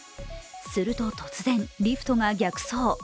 すると突然、リフトが逆走。